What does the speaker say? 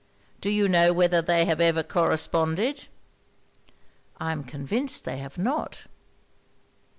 'Do you know whether they have ever corresponded?' 'I am convinced they have not.'